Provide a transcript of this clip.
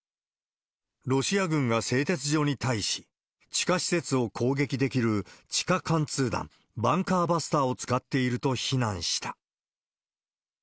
ロシア軍が製鉄所に対し、地下施設を攻撃できる地下貫通弾・バンカーバスターを使っていると非難した。